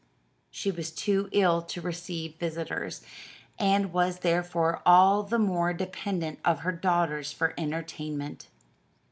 She was too ill to receive visitors, and was therefore all the more dependent on her daughters for entertainment.